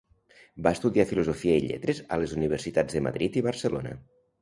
Va estudiar Filosofia i Lletres a les universitats de Madrid i Barcelona.